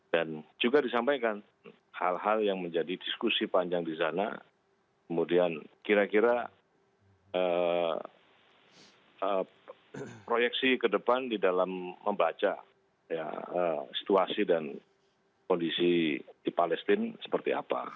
dan juga disampaikan hal hal yang menjadi diskusi panjang di sana kemudian kira kira proyeksi ke depan di dalam membaca situasi dan kondisi di palestine seperti apa